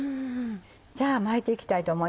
じゃあ巻いていきたいと思います。